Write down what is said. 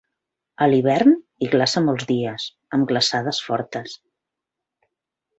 A l'hivern, hi glaça molts dies, amb glaçades fortes.